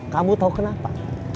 kamu tahu kenapa